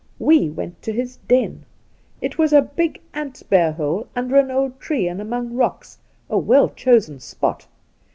We went to his den. It was a big ant bear hole under an old tree and among rocks — a well chosen spot.